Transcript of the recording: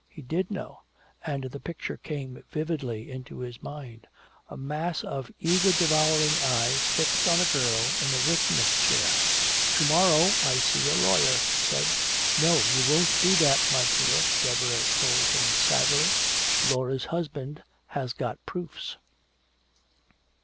He did know, and the picture came vividly into his mind a mass of eager devouring eyes fixed on a girl in a witness chair. "To morrow I see a lawyer!" he said. "No you won't do that, my dear," Deborah told him sadly. "Laura's husband has got proofs."